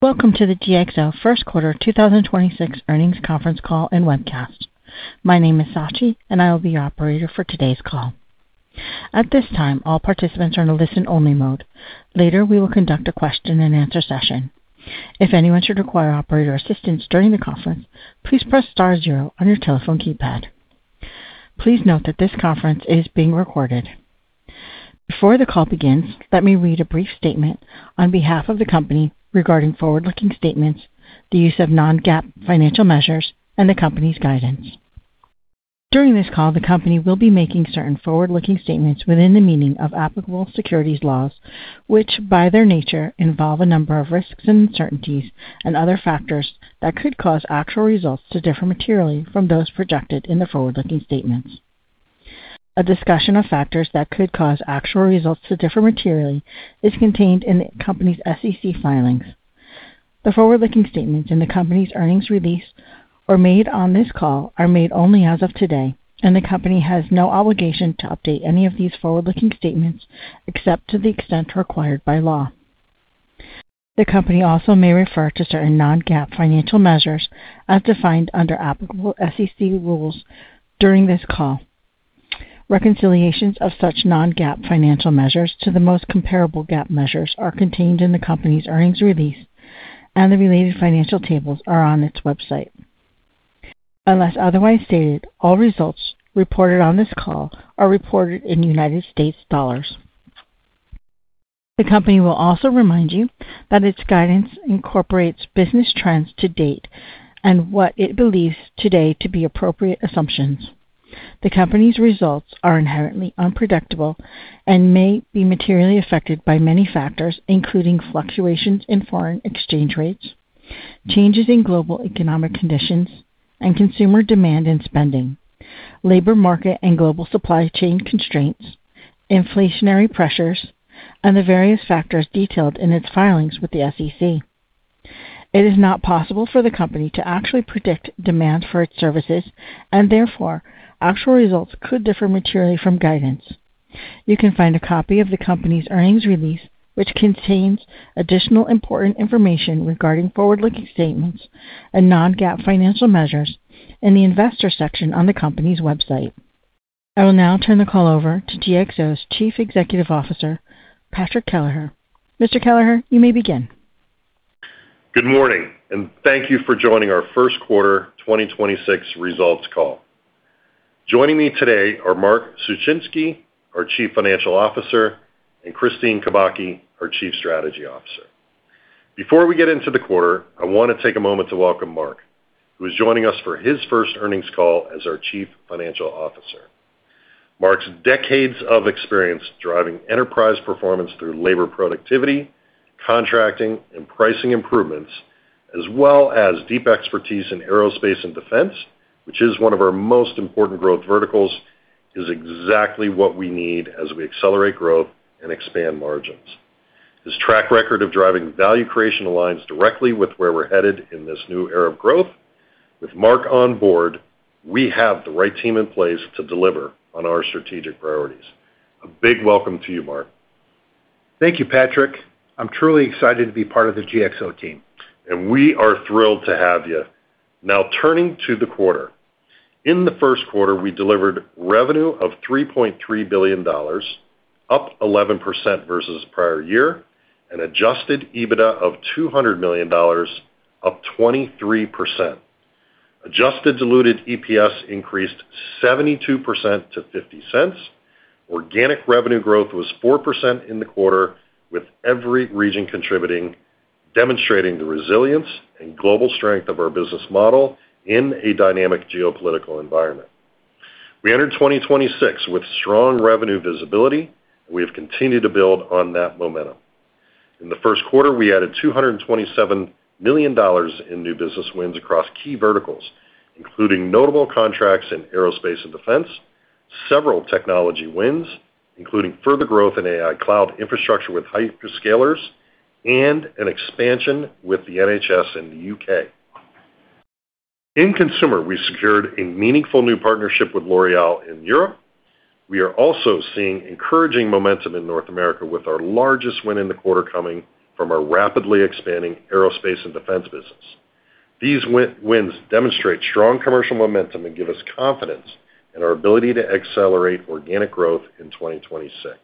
Welcome to the GXO first quarter 2026 earnings conference call and webcast. My name is Sachi, and I will be your operator for today's call. At this time, all participants are in a listen-only mode. Later, we will conduct a question-and-answer session. If anyone should require operator assistance during the conference, please press star zero on your telephone keypad. Please note that this conference is being recorded. Before the call begins, let me read a brief statement on behalf of the company regarding forward-looking statements, the use of non-GAAP financial measures, and the company's guidance. During this call, the company will be making certain forward-looking statements within the meaning of applicable securities laws, which by their nature involve a number of risks and uncertainties and other factors that could cause actual results to differ materially from those projected in the forward-looking statements. A discussion of factors that could cause actual results to differ materially is contained in the company's SEC filings. The forward-looking statements in the company's earnings release or made on this call are made only as of today, and the company has no obligation to update any of these forward-looking statements, except to the extent required by law. The company also may refer to certain non-GAAP financial measures as defined under applicable SEC rules during this call. Reconciliations of such non-GAAP financial measures to the most comparable GAAP measures are contained in the company's earnings release, and the related financial tables are on its website. Unless otherwise stated, all results reported on this call are reported in United States dollars. The company will also remind you that its guidance incorporates business trends to date and what it believes today to be appropriate assumptions. The company's results are inherently unpredictable and may be materially affected by many factors, including fluctuations in foreign exchange rates, changes in global economic conditions and consumer demand and spending, labor market and global supply chain constraints, inflationary pressures, and the various factors detailed in its filings with the SEC. It is not possible for the company to actually predict demand for its services, and therefore, actual results could differ materially from guidance. You can find a copy of the company's earnings release, which contains additional important information regarding forward-looking statements and non-GAAP financial measures in the investor section on the company's website. I will now turn the call over to GXO's Chief Executive Officer, Patrick Kelleher. Mr. Kelleher, you may begin. Good morning. Thank you for joining our first quarter 2026 results call. Joining me today are Mark Suchinski, our Chief Financial Officer, and Kristine Kubacki, our Chief Strategy Officer. Before we get into the quarter, I want to take a moment to welcome Mark, who is joining us for his first earnings call as our Chief Financial Officer. Mark's decades of experience driving enterprise performance through labor productivity, contracting, and pricing improvements, as well as deep expertise in aerospace and defense, which is one of our most important growth verticals, is exactly what we need as we accelerate growth and expand margins. His track record of driving value creation aligns directly with where we're headed in this new era of growth. With Mark on board, we have the right team in place to deliver on our strategic priorities. A big welcome to you, Mark. Thank you, Patrick. I'm truly excited to be part of the GXO team. We are thrilled to have you. Now turning to the quarter. In the first quarter, we delivered revenue of $3.3 billion, up 11% versus prior year, and adjusted EBITDA of $200 million, up 23%. Adjusted diluted EPS increased 72% to $0.50. Organic revenue growth was 4% in the quarter, with every region contributing, demonstrating the resilience and global strength of our business model in a dynamic geopolitical environment. We entered 2026 with strong revenue visibility. We have continued to build on that momentum. In the first quarter, we added $227 million in new business wins across key verticals, including notable contracts in aerospace and defense, several technology wins, including further growth in AI cloud infrastructure with hyperscalers and an expansion with the NHS in the U.K. In consumer, we secured a meaningful new partnership with L'Oréal in Europe. We are also seeing encouraging momentum in North America with our largest win in the quarter coming from our rapidly expanding aerospace and defense business. These wins demonstrate strong commercial momentum and give us confidence in our ability to accelerate organic growth in 2026.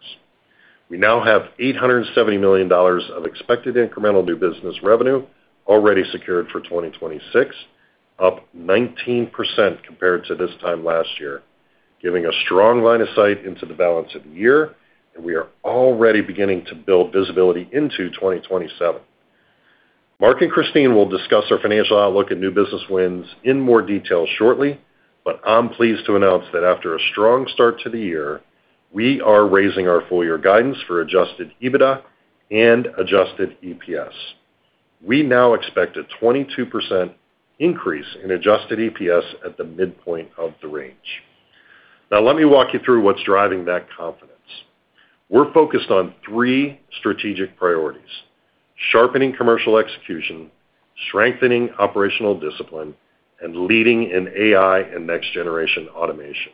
We now have $870 million of expected incremental new business revenue already secured for 2026, up 19% compared to this time last year, giving a strong line of sight into the balance of the year, and we are already beginning to build visibility into 2027. Mark Suchinski and Kristine Kubacki will discuss our financial outlook and new business wins in more detail shortly, but I'm pleased to announce that after a strong start to the year, we are raising our full year guidance for adjusted EBITDA and adjusted EPS. We now expect a 22% increase in adjusted EPS at the midpoint of the range. Now let me walk you through what's driving that confidence. We're focused on three strategic priorities: sharpening commercial execution, strengthening operational discipline, and leading in AI and next generation automation.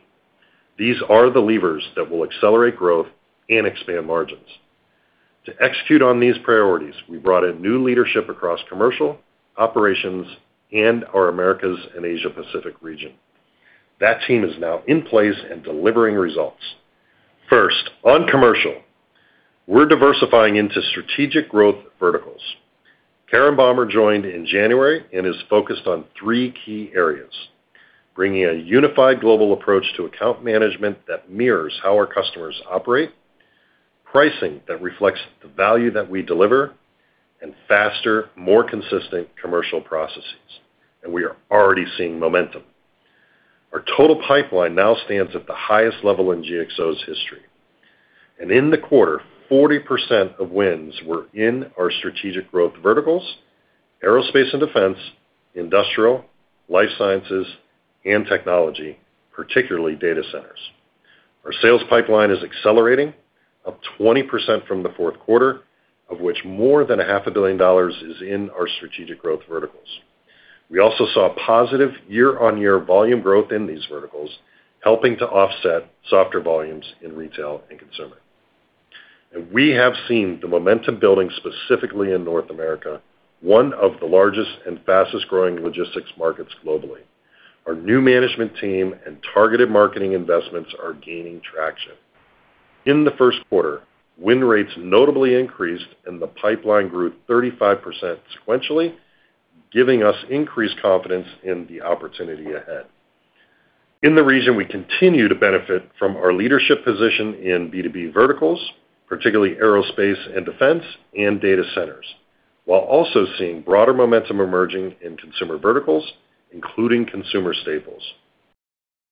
These are the levers that will accelerate growth and expand margins. To execute on these priorities, we brought in new leadership across commercial, operations, and our Americas and Asia Pacific region. That team is now in place and delivering results. First, on commercial, we're diversifying into strategic growth verticals. Karen Bomber joined in January and is focused on three key areas: bringing a unified global approach to account management that mirrors how our customers operate, pricing that reflects the value that we deliver, and faster, more consistent commercial processes. We are already seeing momentum. Our total pipeline now stands at the highest level in GXO's history. In the quarter, 40% of wins were in our strategic growth verticals, aerospace and defense, industrial, life sciences, and technology, particularly data centers. Our sales pipeline is accelerating, up 20% from the fourth quarter, of which more than a $0.5 billion is in our strategic growth verticals. We also saw positive year-over-year volume growth in these verticals, helping to offset softer volumes in retail and consumer. We have seen the momentum building specifically in North America, one of the largest and fastest-growing logistics markets globally. Our new management team and targeted marketing investments are gaining traction. In the first quarter, win rates notably increased, and the pipeline grew 35% sequentially, giving us increased confidence in the opportunity ahead. In the region, we continue to benefit from our leadership position in B2B verticals, particularly aerospace and defense and data centers, while also seeing broader momentum emerging in consumer verticals, including consumer staples.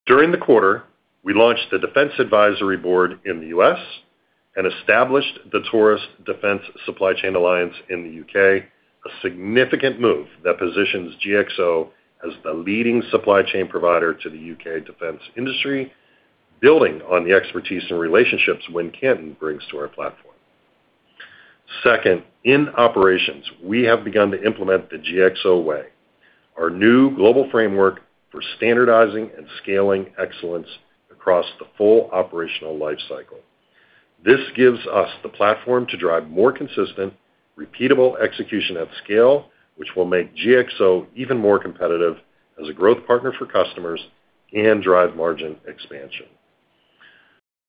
During the quarter, we launched the Defense Advisory Board in the U.S. and established the Torus Defence Supply Chain in the U.K., a significant move that positions GXO as the leading supply chain provider to the U.K. defense industry, building on the expertise and relationships Wincanton brings to our platform. Second, in operations, we have begun to implement the GXO Way, our new global framework for standardizing and scaling excellence across the full operational life cycle. This gives us the platform to drive more consistent, repeatable execution at scale, which will make GXO even more competitive as a growth partner for customers and drive margin expansion.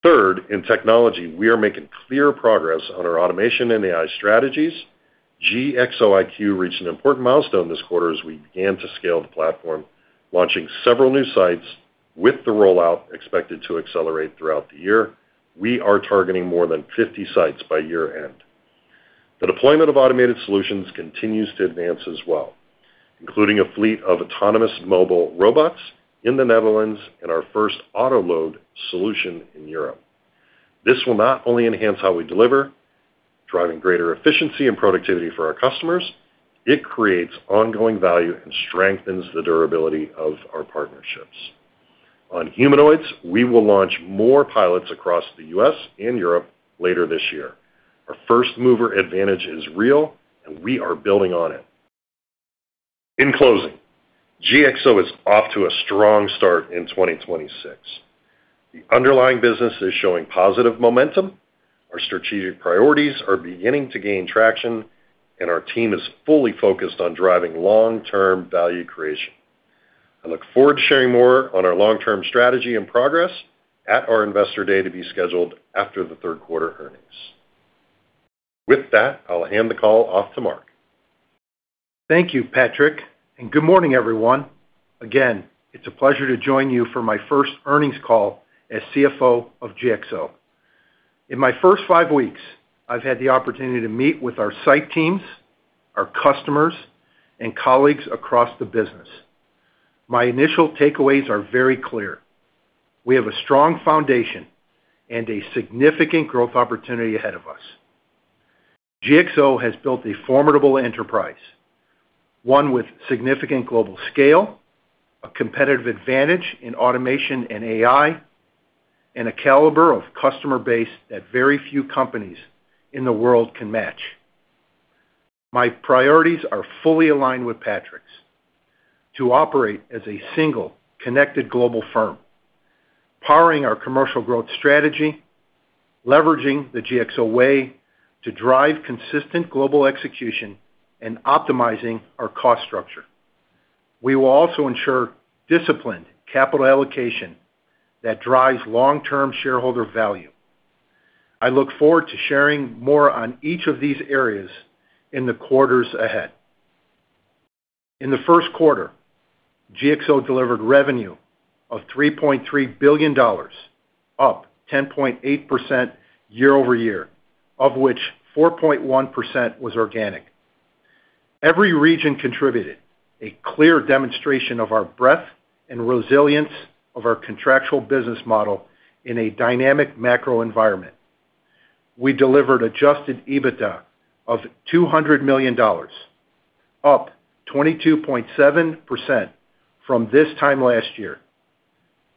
Third, in technology, we are making clear progress on our automation and AI strategies. GXO IQ reached an important milestone this quarter as we began to scale the platform, launching several new sites, with the rollout expected to accelerate throughout the year. We are targeting more than 50 sites by year-end. The deployment of automated solutions continues to advance as well, including a fleet of autonomous mobile robots in the Netherlands and our first Autoload solution in Europe. This will not only enhance how we deliver, driving greater efficiency and productivity for our customers, it creates ongoing value and strengthens the durability of our partnerships. On humanoids, we will launch more pilots across the U.S. and Europe later this year. Our first-mover advantage is real, and we are building on it. In closing, GXO is off to a strong start in 2026. The underlying business is showing positive momentum, our strategic priorities are beginning to gain traction, and our team is fully focused on driving long-term value creation. I look forward to sharing more on our long-term strategy and progress at our investor day to be scheduled after the third quarter earnings. With that, I'll hand the call off to Mark. Thank you, Patrick, and good morning, everyone. Again, it's a pleasure to join you for my first earnings call as CFO of GXO. In my first five weeks, I've had the opportunity to meet with our site teams, our customers, and colleagues across the business. My initial takeaways are very clear. We have a strong foundation and a significant growth opportunity ahead of us. GXO has built a formidable enterprise, one with significant global scale, a competitive advantage in automation and AI, and a caliber of customer base that very few companies in the world can match. My priorities are fully aligned with Patrick's to operate as a single connected global firm, powering our commercial growth strategy, leveraging the GXO Way to drive consistent global execution, and optimizing our cost structure. We will also ensure disciplined capital allocation that drives long-term shareholder value. I look forward to sharing more on each of these areas in the quarters ahead. In the first quarter, GXO delivered revenue of $3.3 billion, up 10.8% year-over-year, of which 4.1% was organic. Every region contributed, a clear demonstration of our breadth and resilience of our contractual business model in a dynamic macro environment. We delivered adjusted EBITDA of $200 million, up 22.7% from this time last year.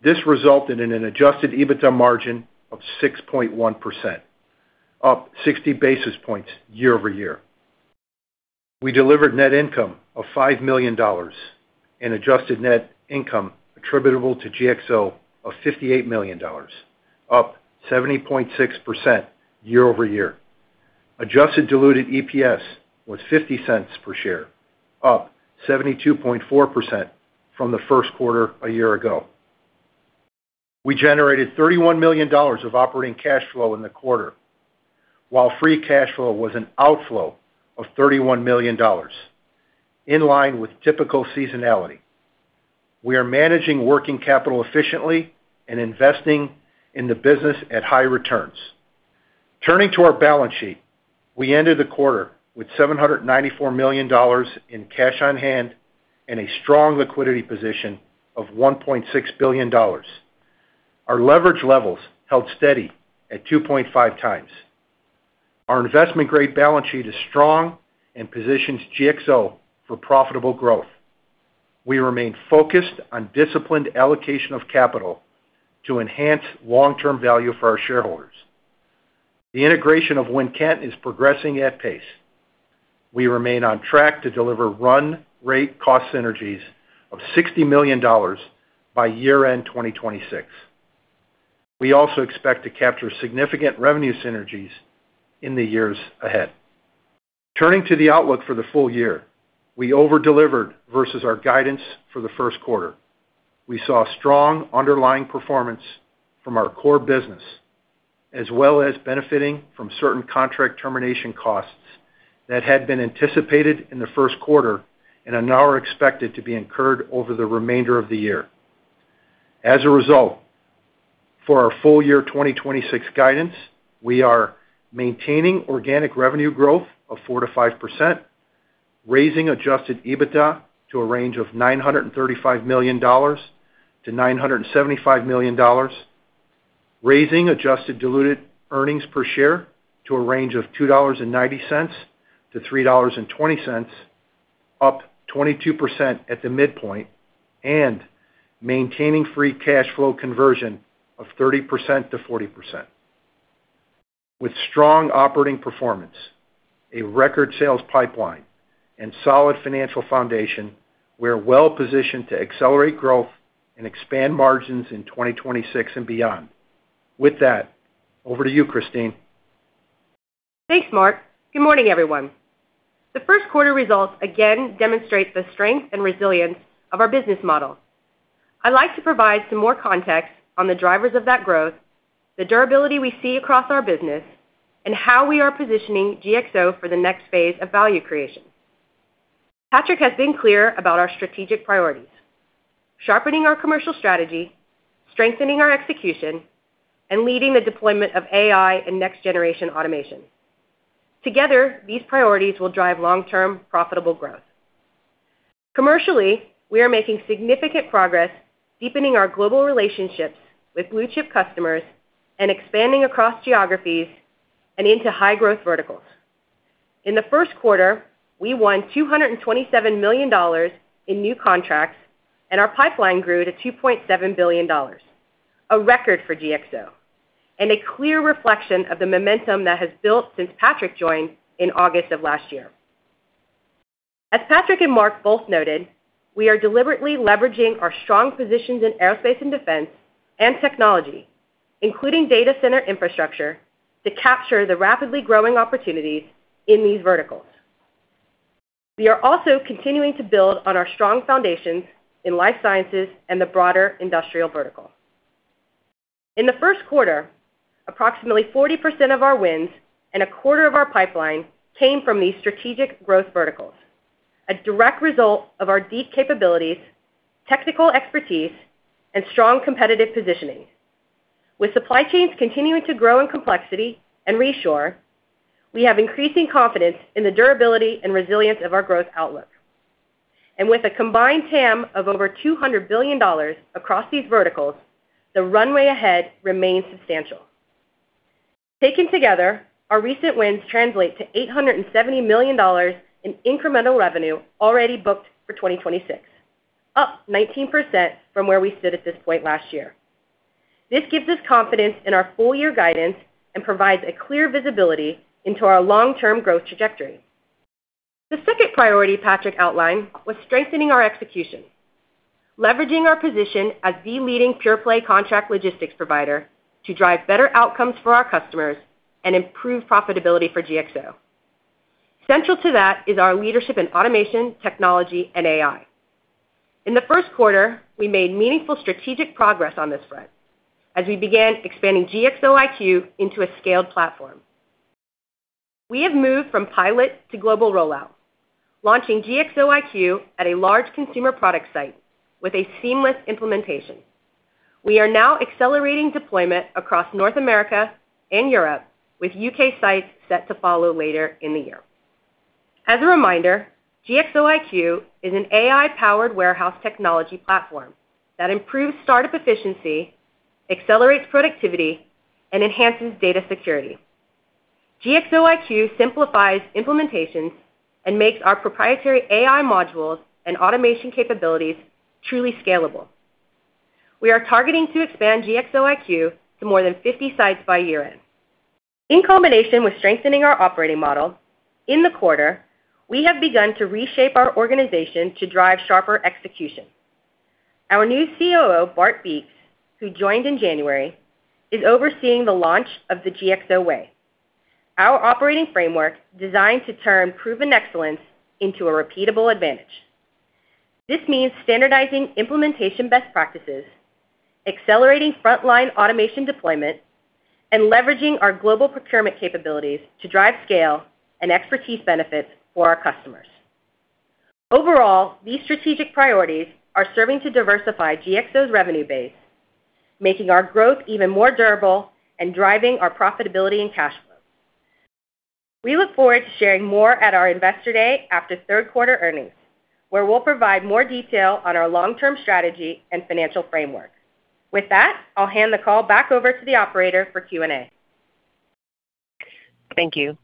This resulted in an adjusted EBITDA margin of 6.1%, up 60 basis points year-over-year. We delivered net income of $5 million and adjusted net income attributable to GXO of $58 million, up 70.6% year-over-year. Adjusted diluted EPS was $0.50 per share, up 72.4% from the first quarter a year ago. We generated $31 million of operating cash flow in the quarter, while free cash flow was an outflow of $31 million, in line with typical seasonality. We are managing working capital efficiently and investing in the business at high returns. Turning to our balance sheet, we ended the quarter with $794 million in cash on hand and a strong liquidity position of $1.6 billion. Our leverage levels held steady at 2.5x. Our investment-grade balance sheet is strong and positions GXO for profitable growth. We remain focused on disciplined allocation of capital to enhance long-term value for our shareholders. The integration of Wincanton is progressing at pace. We remain on track to deliver run rate cost synergies of $60 million by year-end 2026. We also expect to capture significant revenue synergies in the years ahead. Turning to the outlook for the full-year, we over-delivered versus our guidance for the first quarter. We saw strong underlying performance from our core business, as well as benefiting from certain contract termination costs that had been anticipated in the first quarter and are now expected to be incurred over the remainder of the year. As a result, for our full year 2026 guidance, we are maintaining organic revenue growth of 4%-5%, raising adjusted EBITDA to a range of $935 million-$975 million, raising Adjusted diluted earnings per share to a range of $2.90-$3.20, up 22% at the midpoint, and maintaining free cash flow conversion of 30%-40%. With strong operating performance, a record sales pipeline, and solid financial foundation, we're well-positioned to accelerate growth and expand margins in 2026 and beyond. With that, over to you, Kristine. Thanks, Mark. Good morning, everyone. The first quarter results again demonstrate the strength and resilience of our business model. I'd like to provide some more context on the drivers of that growth, the durability we see across our business, and how we are positioning GXO for the next phase of value creation. Patrick has been clear about our strategic priorities: sharpening our commercial strategy, strengthening our execution, and leading the deployment of AI and next-generation automation. Together, these priorities will drive long-term profitable growth. Commercially, we are making significant progress deepening our global relationships with blue-chip customers and expanding across geographies and into high-growth verticals. In the first quarter, we won $227 million in new contracts, and our pipeline grew to $2.7 billion, a record for GXO and a clear reflection of the momentum that has built since Patrick joined in August of last year. As Patrick and Mark both noted, we are deliberately leveraging our strong positions in aerospace and defense and technology, including data center infrastructure, to capture the rapidly growing opportunities in these verticals. We are also continuing to build on our strong foundations in life sciences and the broader industrial vertical. In the first quarter, approximately 40% of our wins and a quarter of our pipeline came from these strategic growth verticals, a direct result of our deep capabilities, technical expertise, and strong competitive positioning. With supply chains continuing to grow in complexity and reshore, we have increasing confidence in the durability and resilience of our growth outlook. With a combined TAM of over $200 billion across these verticals, the runway ahead remains substantial. Taken together, our recent wins translate to $870 million in incremental revenue already booked for 2026, up 19% from where we stood at this point last year. This gives us confidence in our full-year guidance and provides clear visibility into our long-term growth trajectory. The second priority Patrick outlined was strengthening our execution, leveraging our position as the leading pure-play contract logistics provider to drive better outcomes for our customers and improve profitability for GXO. Central to that is our leadership in automation, technology, and AI. In the first quarter, we made meaningful strategic progress on this front as we began expanding GXO IQ into a scaled platform. We have moved from pilot to global rollout, launching GXO IQ at a large consumer product site with a seamless implementation. We are now accelerating deployment across North America and Europe, with U.K. sites set to follow later in the year. As a reminder, GXO IQ is an AI-powered warehouse technology platform that improves startup efficiency, accelerates productivity, and enhances data security. GXO IQ simplifies implementations and makes our proprietary AI modules and automation capabilities truly scalable. We are targeting to expand GXO IQ to more than 50 sites by year-end. In combination with strengthening our operating model, in the quarter, we have begun to reshape our organization to drive sharper execution. Our new COO, Bart Beeks, who joined in January, is overseeing the launch of the GXO Way. Our operating framework designed to turn proven excellence into a repeatable advantage. This means standardizing implementation best practices, accelerating frontline automation deployment, and leveraging our global procurement capabilities to drive scale and expertise benefits for our customers. Overall, these strategic priorities are serving to diversify GXO's revenue base, making our growth even more durable and driving our profitability and cash flow. We look forward to sharing more at our Investor Day after third quarter earnings, where we'll provide more detail on our long-term strategy and financial framework. With that, I'll hand the call back over to the operator for Q&A. Thank you.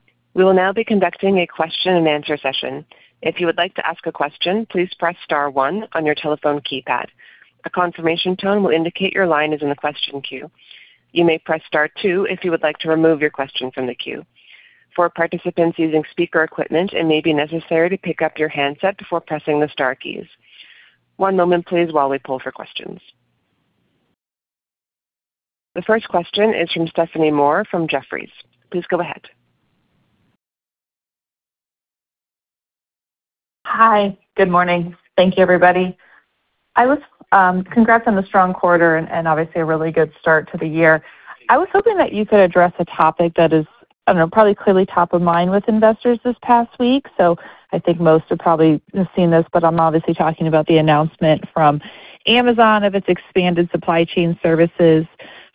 The first question is from Stephanie Moore from Jefferies. Please go ahead. Hi. Good morning. Thank you, everybody. Congrats on the strong quarter and obviously a really good start to the year. I was hoping that you could address a topic that is, I don't know, probably clearly top of mind with investors this past week. I think most have probably seen this, but I'm obviously talking about the announcement from Amazon of its expanded supply chain services.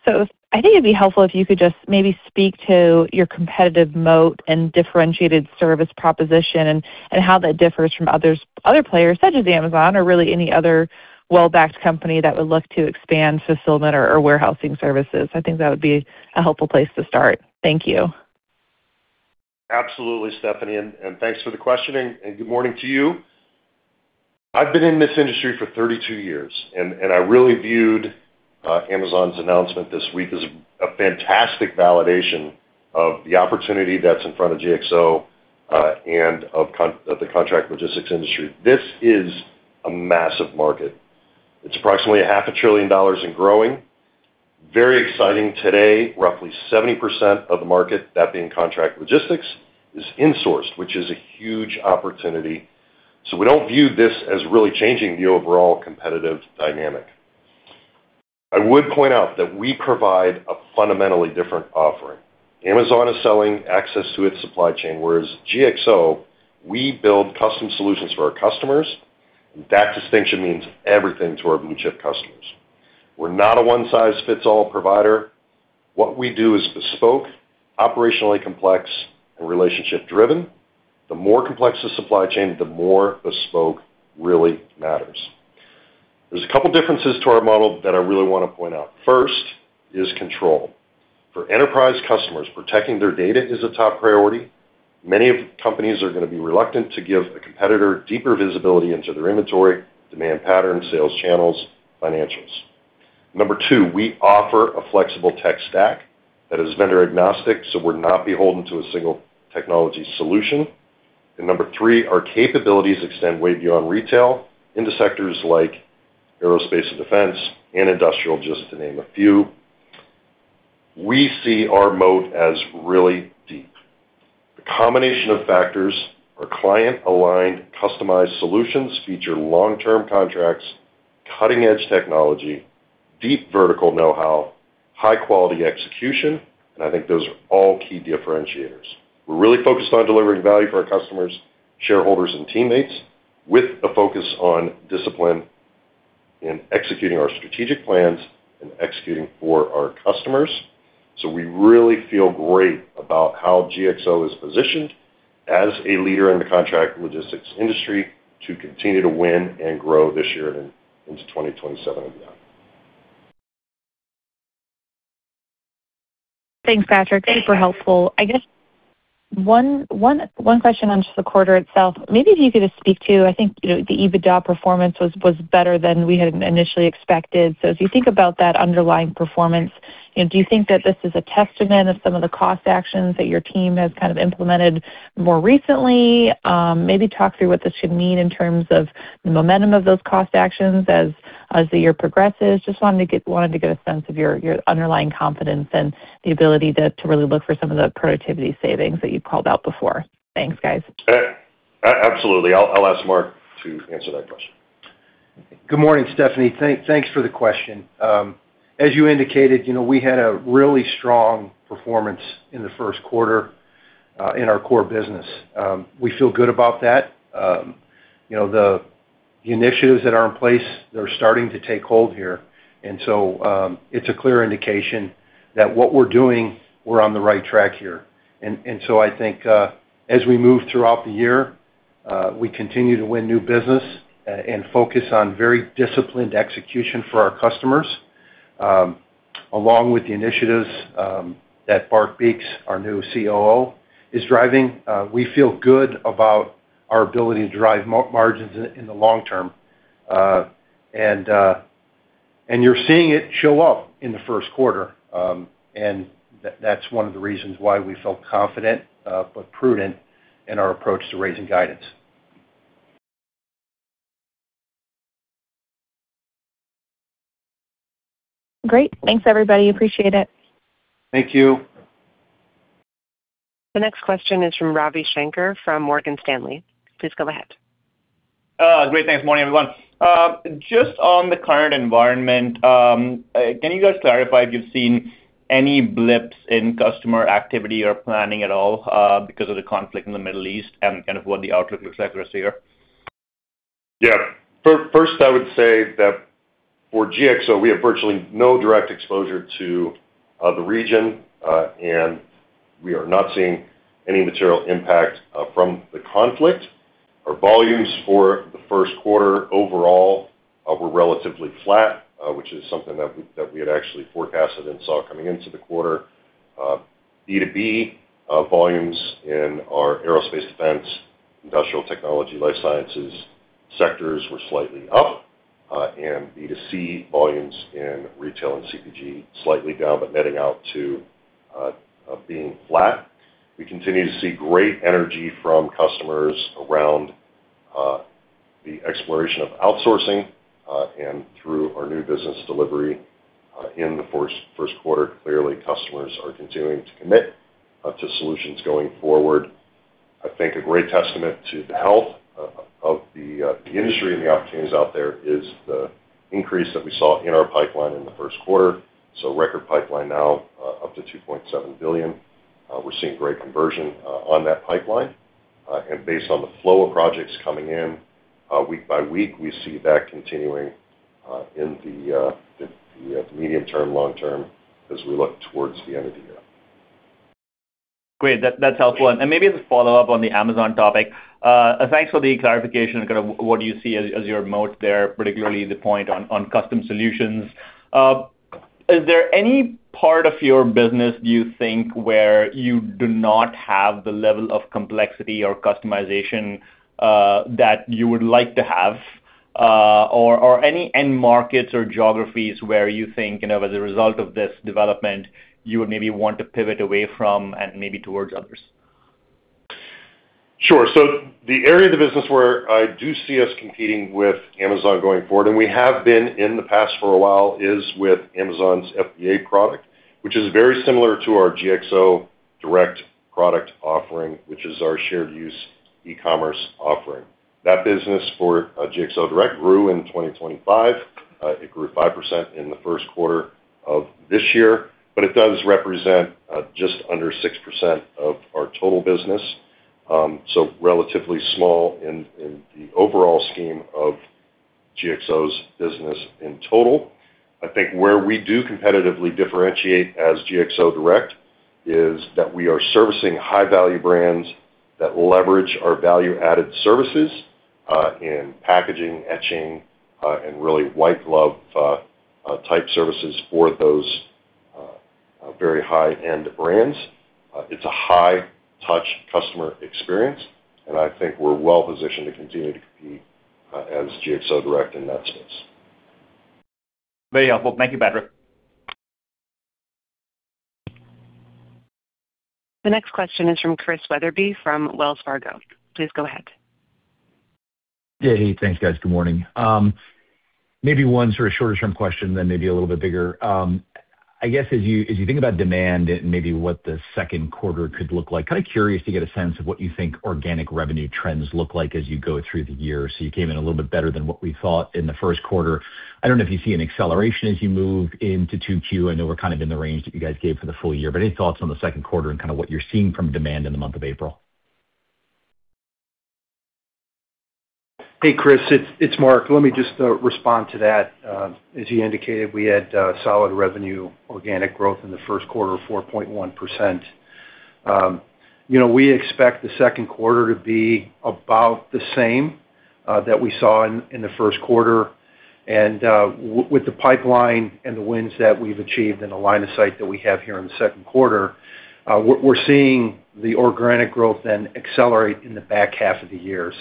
I think it'd be helpful if you could just maybe speak to your competitive moat and differentiated service proposition and how that differs from other players such as Amazon or really any other well-backed company that would look to expand fulfillment or warehousing services. I think that would be a helpful place to start. Thank you. Absolutely, Stephanie, thanks for the question and good morning to you. I've been in this industry for 32 years, I really viewed Amazon's announcement this week as a fantastic validation of the opportunity that's in front of GXO and of the contract logistics industry. This is a massive market. It's approximately a $0.5 trillion and growing. Very exciting today. Roughly 70% of the market, that being contract logistics, is insourced, which is a huge opportunity. We don't view this as really changing the overall competitive dynamic. I would point out that we provide a fundamentally different offering. Amazon is selling access to its supply chain, whereas GXO, we build custom solutions for our customers, that distinction means everything to our blue-chip customers. We're not a one-size-fits-all provider. What we do is bespoke, operationally complex, and relationship-driven. The more complex the supply chain, the more bespoke really matters. There's a couple of differences to our model that I really want to point out. First is control. For enterprise customers, protecting their data is a top priority. Many of companies are going to be reluctant to give the competitor deeper visibility into their inventory, demand pattern, sales channels, financials. Number two, we offer a flexible tech stack that is vendor agnostic, so we're not beholden to a single technology solution. Number three, our capabilities extend way beyond retail into sectors like aerospace and defense and industrial, just to name a few. We see our moat as really deep. The combination of factors are client-aligned customized solutions, feature long-term contracts, cutting-edge technology, deep vertical know-how, high quality execution, and I think those are all key differentiators. We're really focused on delivering value for our customers, shareholders, and teammates with a focus on discipline in executing our strategic plans and executing for our customers. We really feel great about how GXO is positioned as a leader in the contract logistics industry to continue to win and grow this year and into 2027 and beyond. Thanks, Patrick. Super helpful. I guess one question on just the quarter itself. Maybe if you could just speak to, I think, you know, the EBITDA performance was better than we had initially expected. As you think about that underlying performance, you know, do you think that this is a testament of some of the cost actions that your team has kind of implemented more recently? Maybe talk through what this should mean in terms of the momentum of those cost actions as the year progresses. Just wanted to get a sense of your underlying confidence and the ability to really look for some of the productivity savings that you called out before. Thanks, guys. absolutely. I'll ask Mark to answer that question. Good morning, Stephanie. Thanks for the question. As you indicated, you know, we had a really strong performance in the first quarter in our core business. We feel good about that. You know, the initiatives that are in place, they're starting to take hold here. It's a clear indication that what we're doing, we're on the right track here. I think as we move throughout the year, we continue to win new business and focus on very disciplined execution for our customers. Along with the initiatives that Bart Beeks, our new COO, is driving, we feel good about our ability to drive margins in the long term. You're seeing it show up in the first quarter. That's one of the reasons why we felt confident, but prudent in our approach to raising guidance. Great. Thanks, everybody. Appreciate it. Thank you. The next question is from Ravi Shanker from Morgan Stanley. Please go ahead. Oh, great. Thanks, morning, everyone. Just on the current environment, can you guys clarify if you've seen any blips in customer activity or planning at all, because of the conflict in the Middle East and kind of what the outlook looks like the rest of the year? Yeah. First, I would say that for GXO, we have virtually no direct exposure to the region, and we are not seeing any material impact from the conflict. Our volumes for the first quarter overall were relatively flat, which is something that we had actually forecasted and saw coming into the quarter. B2B volumes in our aerospace defense, industrial technology, life sciences sectors were slightly up. B2C volumes in retail and CPG slightly down, but netting out to being flat. We continue to see great energy from customers around the exploration of outsourcing, and through our new business delivery in the first quarter. Clearly, customers are continuing to commit to solutions going forward. I think a great testament to the health of the industry and the opportunities out there is the increase that we saw in our pipeline in the first quarter. Record pipeline now, up to $2.7 billion. We're seeing great conversion on that pipeline. Based on the flow of projects coming in week by week, we see that continuing in the medium term, long term as we look towards the end of the year. Great. That's helpful. Maybe as a follow-up on the Amazon topic, thanks for the clarification and kind of what you see as your moat there, particularly the point on custom solutions. Is there any part of your business you think where you do not have the level of complexity or customization that you would like to have? Or any end markets or geographies where you think, you know, as a result of this development, you would maybe want to pivot away from and maybe towards others? Sure. The area of the business where I do see us competing with Amazon going forward, and we have been in the past for a while, is with Amazon's FBA product, which is very similar to our GXO Direct product offering, which is our shared use e-commerce offering. That business for GXO Direct grew in 2025. It grew 5% in the first quarter of this year. It does represent just under 6% of our total business, so relatively small in the overall scheme of GXO's business in total. I think where we do competitively differentiate as GXO Direct is that we are servicing high-value brands that leverage our value-added services in packaging, etching, and really white glove type services for those very high-end brands. It's a high-touch customer experience, and I think we're well positioned to continue to compete as GXO Direct in that space. Very helpful. Thank you, Patrick. The next question is from Chris Wetherbee from Wells Fargo. Please go ahead. Yeah. Hey, thanks, guys. Good morning. Maybe one sort of shorter-term question, maybe a little bit bigger. I guess as you, as you think about demand and maybe what the second quarter could look like, kind of curious to get a sense of what you think organic revenue trends look like as you go through the year. You came in a little bit better than what we thought in the first quarter. I don't know if you see an acceleration as you move into 2Q. I know we're kind of in the range that you guys gave for the full year, but any thoughts on the second quarter and kind of what you're seeing from demand in the month of April? Hey, Chris, it's Mark. Let me just respond to that. As you indicated, we had solid revenue organic growth in the first quarter of 4.1%. You know, we expect the second quarter to be about the same that we saw in the first quarter. With the pipeline and the wins that we've achieved and the line of sight that we have here in the second quarter, we're seeing the organic growth then accelerate in the back half of the year.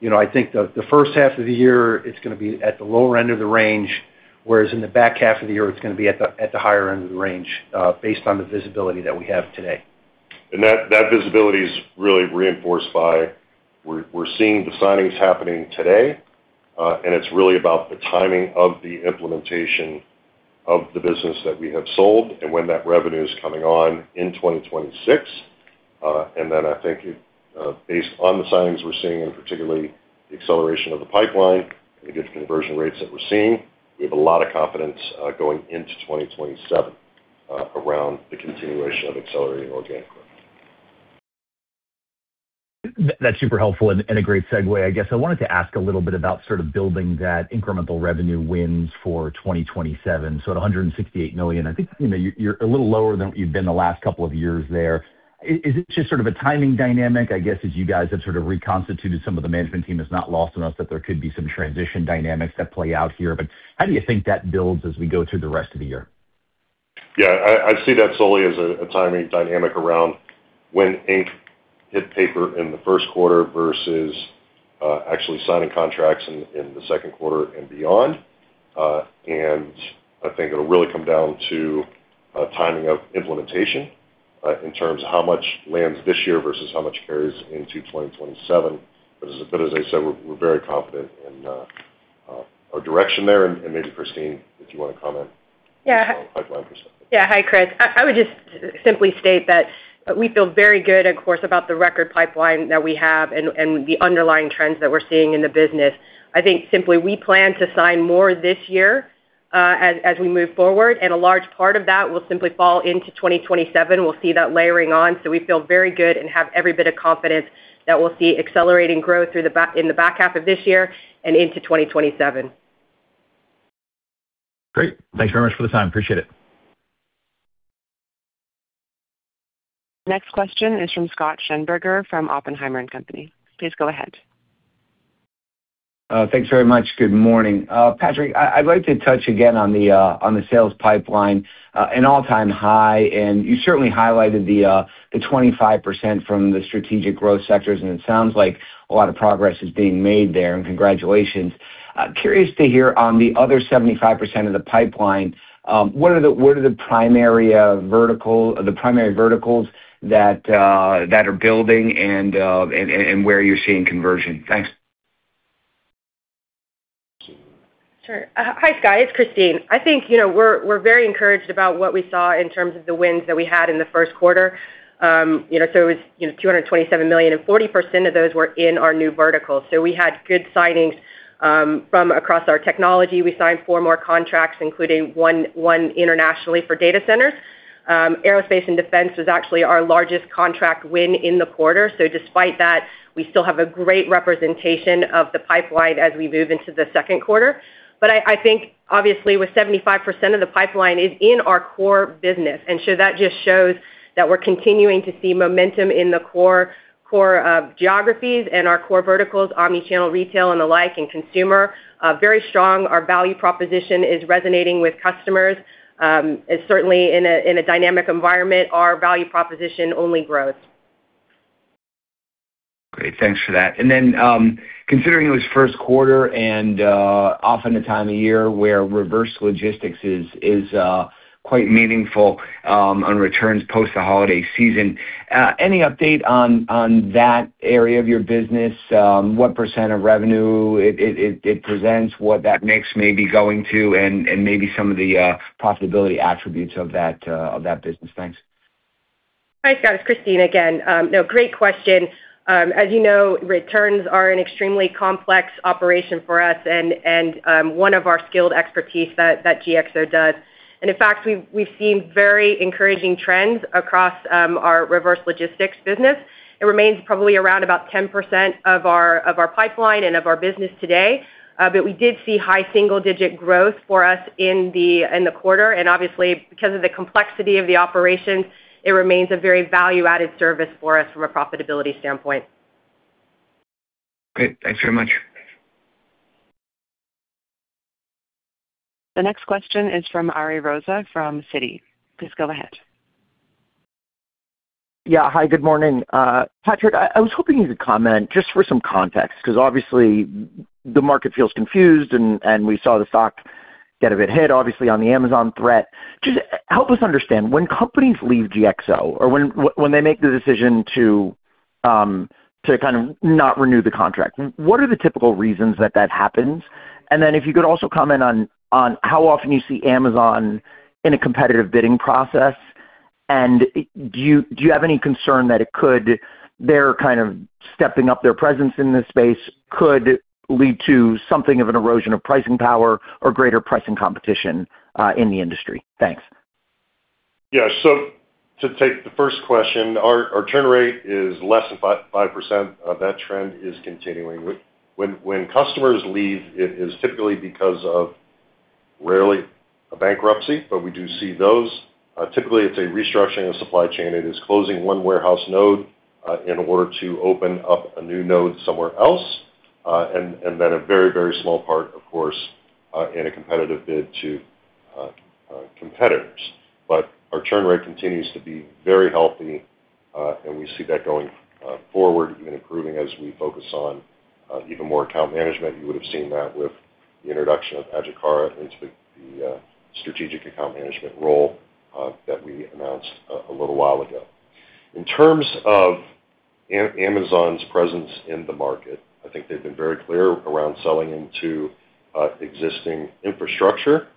You know, I think the first half of the year, it's gonna be at the lower end of the range, whereas in the back half of the year, it's gonna be at the higher end of the range, based on the visibility that we have today. That visibility is really reinforced by we're seeing the signings happening today, and it's really about the timing of the implementation of the business that we have sold and when that revenue is coming on in 2026. I think, based on the signings we're seeing, and particularly the acceleration of the pipeline and the good conversion rates that we're seeing, we have a lot of confidence going into 2027 around the continuation of accelerating organic growth. That's super helpful and a great segue, I guess. I wanted to ask a little bit about sort of building that incremental revenue wins for 2027. At $168 million, I think, you know, you're a little lower than what you've been the last couple of years there. Is it just sort of a timing dynamic? I guess, as you guys have sort of reconstituted some of the management team, it's not lost on us that there could be some transition dynamics that play out here. How do you think that builds as we go through the rest of the year? I see that solely as a timing dynamic around when ink hit paper in the first quarter versus actually signing contracts in the second quarter and beyond. I think it'll really come down to timing of implementation in terms of how much lands this year versus how much carries into 2027. As I said, we're very confident in our direction there. Maybe Kristine, if you wanna comment. Yeah. On the pipeline perspective. Yeah. Hi, Chris. I would just simply state that we feel very good, of course, about the record pipeline that we have and the underlying trends that we're seeing in the business. I think simply we plan to sign more this year, as we move forward, and a large part of that will simply fall into 2027. We'll see that layering on. We feel very good and have every bit of confidence that we'll see accelerating growth in the back half of this year and into 2027. Great. Thanks very much for the time. Appreciate it. Next question is from Scott Schneeberger from Oppenheimer & Co. Please go ahead. Thanks very much. Good morning. Patrick, I'd like to touch again on the sales pipeline, an all-time high, and you certainly highlighted the 25% from the strategic growth sectors, and it sounds like a lot of progress is being made there, and congratulations. Curious to hear on the other 75% of the pipeline, what are the primary verticals that are building and where you're seeing conversion? Thanks. Sure. Hi, Scott Schneeberger. It's Kristine. I think, you know, we're very encouraged about what we saw in terms of the wins that we had in the first quarter. You know, it was, you know, $227 million, 40% of those were in our new verticals. We had good signings from across our technology. We signed four more contracts, including one internationally for data centers. Aerospace and defense was actually our largest contract win in the quarter. Despite that, we still have a great representation of the pipeline as we move into the second quarter. I think obviously with 75% of the pipeline is in our core business. That just shows that we're continuing to see momentum in the core geographies and our core verticals, omni-channel retail and the like and consumer, very strong. Our value proposition is resonating with customers. It's certainly in a, in a dynamic environment, our value proposition only grows. Great. Thanks for that. Then, considering it was first quarter and often the time of year where reverse logistics is quite meaningful, on returns post the holiday season, any update on that area of your business? What percent of revenue it, it presents, what that mix may be going to, and maybe some of the profitability attributes of that of that business. Thanks. Hi, Scott. It's Kristine again. No, great question. As you know, returns are an extremely complex operation for us and one of our skilled expertise that GXO does. In fact, we've seen very encouraging trends across our reverse logistics business. It remains probably around about 10% of our pipeline and of our business today. We did see high single-digit growth for us in the quarter, and obviously, because of the complexity of the operations, it remains a very value-added service for us from a profitability standpoint. Great. Thanks very much. The next question is from Ariel Rosa from Citi. Please go ahead. Yeah. Hi, good morning. Patrick, I was hoping you could comment just for some context because obviously the market feels confused and we saw the stock get a bit hit obviously on the Amazon threat. Just help us understand, when companies leave GXO or when they make the decision to kind of not renew the contract, what are the typical reasons that that happens? Then if you could also comment on how often you see Amazon in a competitive bidding process. Do you have any concern that their kind of stepping up their presence in this space could lead to something of an erosion of pricing power or greater pricing competition in the industry? Thanks. Yeah. To take the first question, our churn rate is less than 5%. That trend is continuing. When customers leave, it is typically because of rarely a bankruptcy, but we do see those. Typically, it's a restructuring of supply chain. It is closing one warehouse node in order to open up a new node somewhere else. A very small part, of course, in a competitive bid to competitors. Our churn rate continues to be very healthy, and we see that going forward, even improving as we focus on even more account management. You would have seen that with the introduction of Ajit Kara into the strategic account management role that we announced a little while ago. In terms of Amazon's presence in the market, I think they've been very clear around selling into existing infrastructure.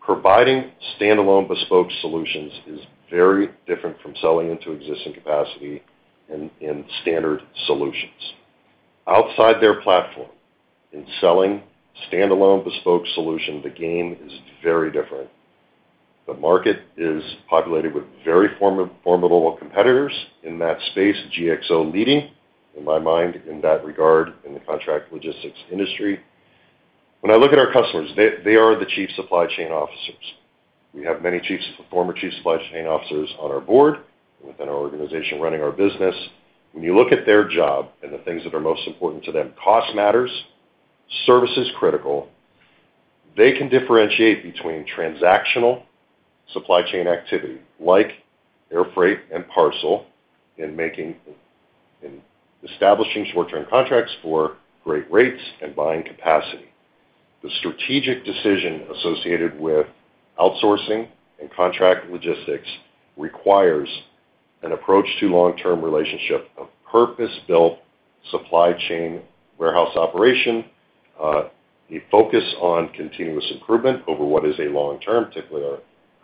Providing standalone bespoke solutions is very different from selling into existing capacity in standard solutions. Outside their platform, in selling standalone bespoke solution, the game is very different. The market is populated with very formidable competitors in that space, GXO leading in my mind in that regard in the contract logistics industry. When I look at our customers, they are the Chief Supply Chain Officers. We have many Chiefs, former Chief Supply Chain Officers on our board and within our organization running our business. When you look at their job and the things that are most important to them, cost matters. Service is critical. They can differentiate between transactional supply chain activity like air freight and parcel in establishing short-term contracts for great rates and buying capacity. The strategic decision associated with outsourcing and contract logistics requires an approach to long-term relationship of purpose-built supply chain warehouse operation, a focus on continuous improvement over what is a long term. Typically,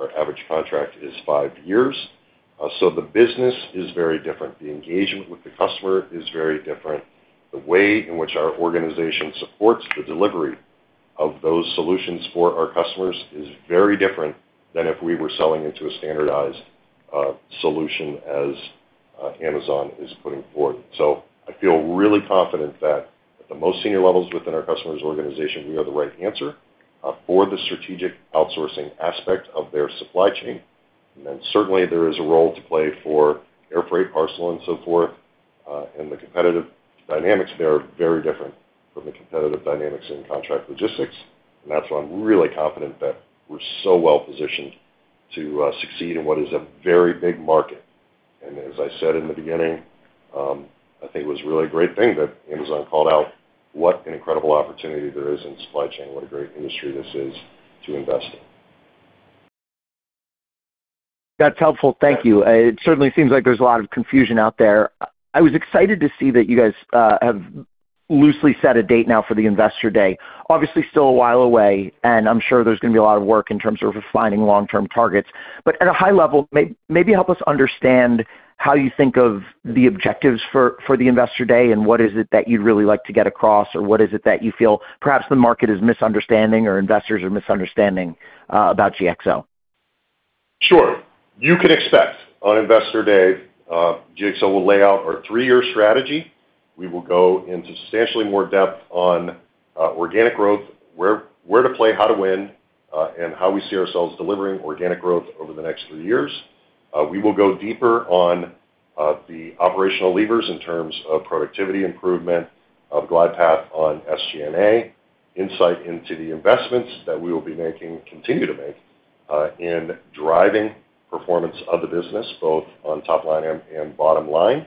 our average contract is five years. The business is very different. The engagement with the customer is very different. The way in which our organization supports the delivery of those solutions for our customers is very different than if we were selling into a standardized solution as Amazon is putting forward. I feel really confident that at the most senior levels within our customer's organization, we are the right answer for the strategic outsourcing aspect of their supply chain. Certainly there is a role to play for air freight, parcel, and so forth. The competitive dynamics there are very different from the competitive dynamics in contract logistics. That's why I'm really confident that we're so well positioned to succeed in what is a very big market. As I said in the beginning, I think it was a really great thing that Amazon called out what an incredible opportunity there is in supply chain. What a great industry this is to invest in. That's helpful. Thank you. It certainly seems like there's a lot of confusion out there. I was excited to see that you guys have loosely set a date now for the investor day. Obviously, still a while away, and I'm sure there's gonna be a lot of work in terms of refining long-term targets. At a high level, maybe help us understand how you think of the objectives for the investor day, and what is it that you'd really like to get across, or what is it that you feel perhaps the market is misunderstanding or investors are misunderstanding about GXO? Sure. You can expect on investor day, GXO will lay out our three-year strategy. We will go into substantially more depth on organic growth, where to play, how to win, and how we see ourselves delivering organic growth over the next three years. We will go deeper on the operational levers in terms of productivity improvement, of glide path on SG&A, insight into the investments that we will be making, continue to make, in driving performance of the business, both on top-line and bottom-line.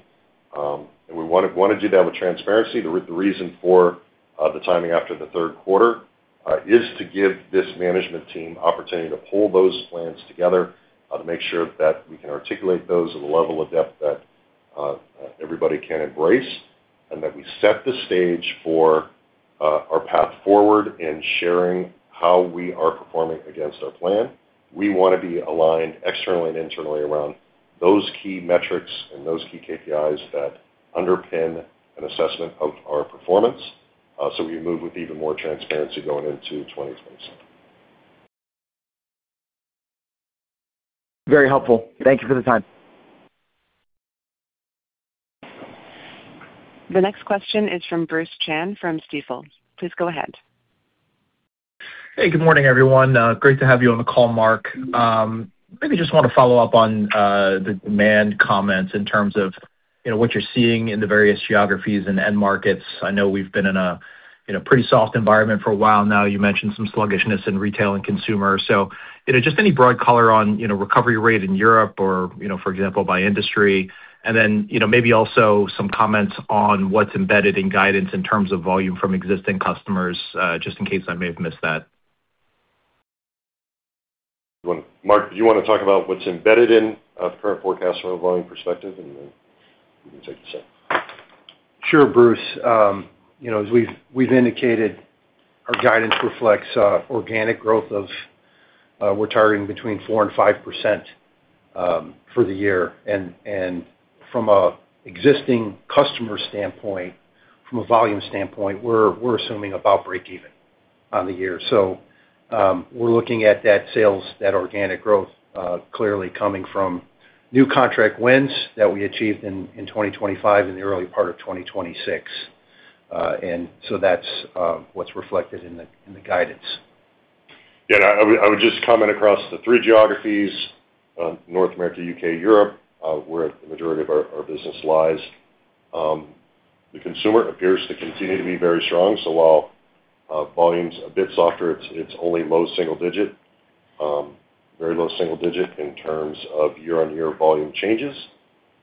We wanna do that with transparency. The reason for the timing after the third quarter is to give this management team opportunity to pull those plans together to make sure that we can articulate those at a level of depth that everybody can embrace, and that we set the stage for our path forward in sharing how we are performing against our plan. We wanna be aligned externally and internally around those key metrics and those key KPIs that underpin an assessment of our performance. We move with even more transparency going into 2027. Very helpful. Thank you for the time. The next question is from Bruce Chan from Stifel. Please go ahead. Hey, good morning, everyone. Great to have you on the call, Mark. Maybe just want to follow up on the demand comments in terms of, you know, what you're seeing in the various geographies and end markets. I know we've been in a, you know, pretty soft environment for a while now. You mentioned some sluggishness in retail and consumer. You know, just any broad color on, you know, recovery rate in Europe or, you know, for example, by industry. You know, maybe also some comments on what's embedded in guidance in terms of volume from existing customers, just in case I may have missed that. Mark, do you wanna talk about what's embedded in the current forecast from a volume perspective, and then you can take the second? Sure, Bruce. you know, as we've indicated, our guidance reflects organic growth of, we're targeting between 4% and 5% for the year. From a existing customer standpoint, from a volume standpoint, we're assuming about breakeven on the year. We're looking at that sales, that organic growth, clearly coming from new contract wins that we achieved in 2025 and the early part of 2026. That's what's reflected in the guidance. Yeah. I would just comment across the three geographies, North America, U.K., Europe, where the majority of our business lies. The consumer appears to continue to be very strong. While volume's a bit softer, it's only low single digit, very low single digit in terms of year-on-year volume changes.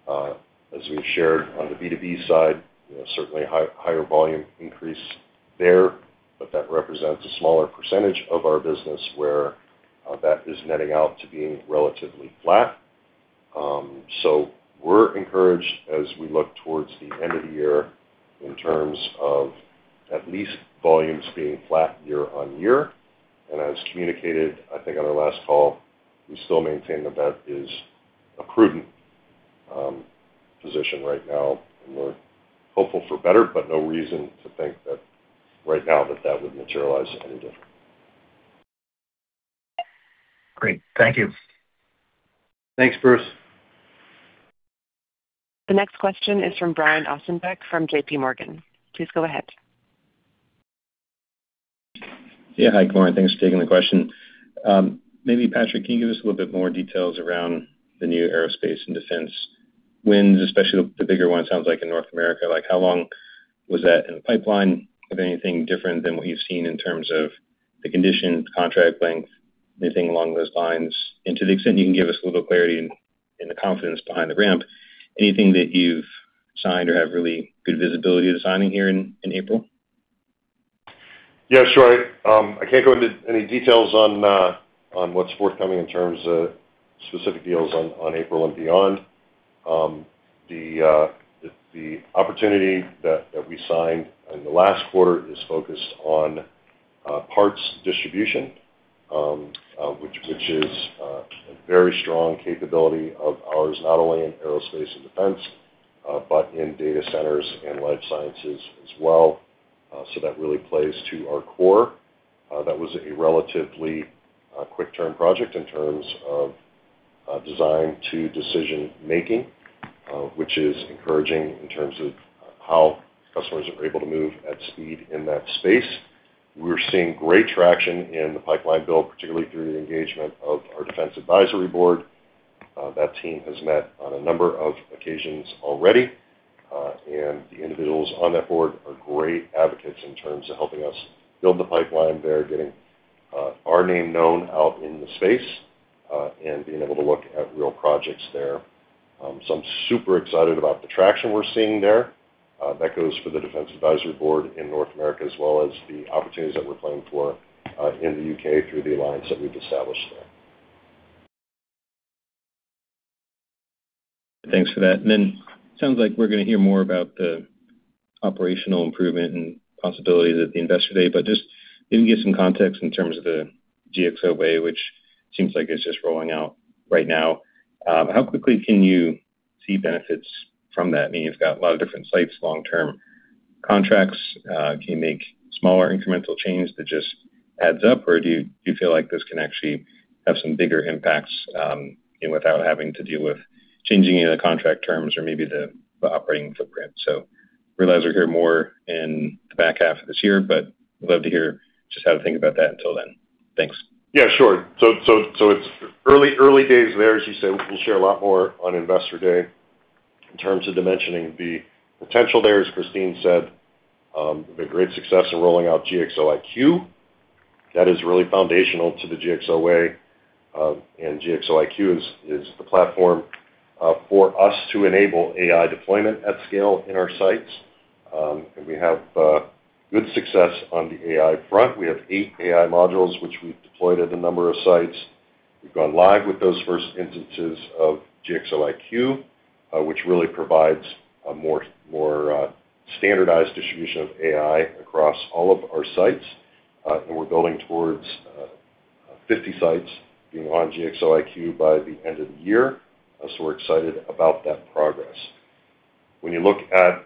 As we've shared on the B2B side, you know, certainly high-higher volume increase there, but that represents a smaller percentage of our business where that is netting out to being relatively flat. We're encouraged as we look towards the end of the year in terms of at least volumes being flat year-on-year. As communicated, I think on our last call, we still maintain that that is a prudent position right now. We're hopeful for better, but no reason to think that right now that that would materialize any different. Great. Thank you. Thanks, Bruce. The next question is from Brian Ossenbeck from JPMorgan. Please go ahead. Yeah. Hi, Glenn. Thanks for taking the question. Maybe Patrick, can you give us a little bit more details around the new aerospace and defense wins, especially the bigger ones, sounds like in North America. Like, how long was that in the pipeline? If anything different than what you've seen in terms of the condition, contract length, anything along those lines? To the extent you can give us a little clarity in the confidence behind the ramp, anything that you've signed or have really good visibility of signing here in April? Sure. I can't go into any details on what's forthcoming in terms of specific deals on April and beyond. The opportunity that we signed in the last quarter is focused on parts distribution, which is a very strong capability of ours, not only in aerospace and defense, but in data centers and life sciences as well. That really plays to our core. That was a relatively quick turn project in terms of design to decision-making, which is encouraging in terms of how customers are able to move at speed in that space. We're seeing great traction in the pipeline build, particularly through the engagement of our Defense Advisory Board. That team has met on a number of occasions already, and the individuals on that board are great advocates in terms of helping us build the pipeline there, getting our name known out in the space, and being able to look at real projects there. I'm super excited about the traction we're seeing there. That goes for the Defense Advisory Board in North America, as well as the opportunities that we're planning for, in the U.K. through the alliance that we've established there. Thanks for that. Sounds like we're going to hear more about the operational improvement and possibilities at the Investor Day, just maybe give some context in terms of the GXO Way, which seems like it's just rolling out right now. How quickly can you see benefits from that? I mean, you've got a lot of different sites, long-term contracts. Can you make smaller incremental changes that just adds up, or do you feel like this can actually have some bigger impacts, you know, without having to deal with changing any of the contract terms or maybe the operating footprint? Realize we'll hear more in the back half of this year, would love to hear just how to think about that until then. Thanks. Yeah, sure. It's early days there. As you say, we'll share a lot more on Investor Day in terms of dimensioning the potential there. As Kristine said, we've had great success in rolling out GXO IQ. That is really foundational to the GXO Way, and GXO IQ is the platform for us to enable AI deployment at scale in our sites. We have good success on the AI front. We have eight AI modules which we've deployed at a number of sites. We've gone live with those first instances of GXO IQ, which really provides a more standardized distribution of AI across all of our sites. We're building towards 50 sites being on GXO IQ by the end of the year. We're excited about that progress. When you look at